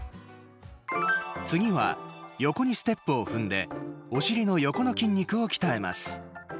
次は横にステップを踏んでお尻の横の筋肉を鍛えます。